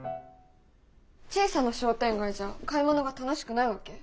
小さな商店街じゃ買い物が楽しくないわけ？